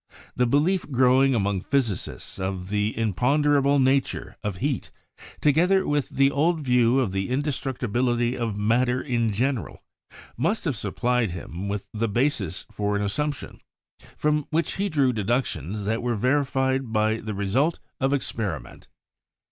The belief growing among physicists of the imponderable nature of heat, together with the old view of the indestructibility of matter in general, must have supplied him with the basis for an assumption, from which he drew deductions that were verified by the result of experiment.